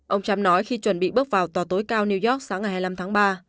ông trump nói khi chuẩn bị bước vào tòa tối cao new york sáng ngày hai mươi năm tháng ba